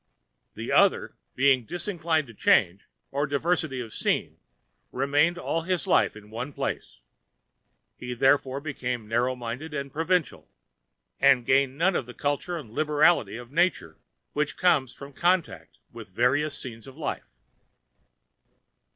The Other, being Disinclined to Change or Diversity of Scene, remained all his Life in One Place. He therefore Became Narrow Minded and Provincial, and gained None of the Culture and Liberality of Nature which comes from Contact with various Scenes of Life.